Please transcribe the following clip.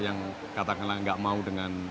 yang katakanlah nggak mau dengan